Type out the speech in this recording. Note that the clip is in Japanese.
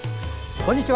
こんにちは。